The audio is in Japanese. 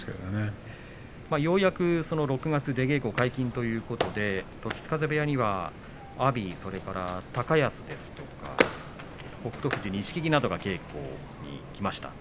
ようやく６月出稽古解禁ということで時津風部屋には阿炎とか高安とか北勝富士、錦木などが稽古に来ました。